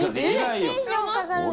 １日以上かかるの？